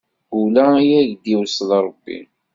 Ula i ak-d-iwṣel Ṛebbi!